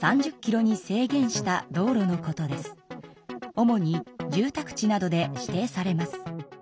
主に住たく地などで指定されます。